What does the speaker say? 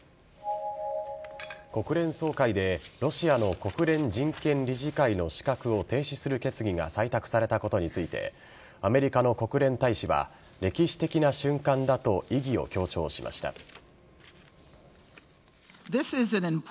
国連総会でロシアの国連人権理事会の資格を停止する決議が採択されたことについてアメリカの国連大使は歴史的な瞬間だと意義を強調しました。